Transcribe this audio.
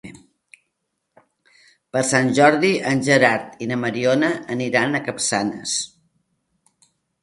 Per Sant Jordi en Gerard i na Mariona aniran a Capçanes.